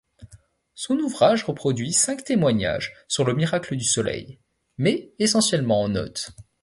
Son ouvrage reproduit cinq témoignages sur le miracle du soleil, mais essentiellement en notes.